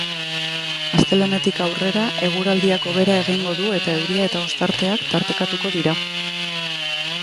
Astelehenetik aurrera eguraldiak hobera egingo du eta euria eta ostarteak tartekatuko dira.